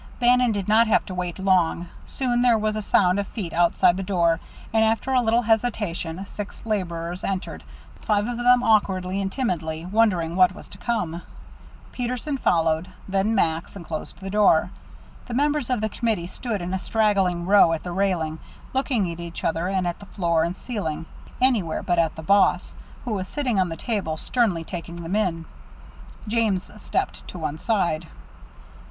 Bannon did not have to wait long. Soon there was a sound of feet outside the door, and after a little hesitation, six laborers entered, five of them awkwardly and timidly, wondering what was to come. Peterson followed, with Max, and closed the door. The members of the committee stood in a straggling row at the railing, looking at each other and at the floor and ceiling anywhere but at the boss, who was sitting on the table, sternly taking them in. James stepped to one side.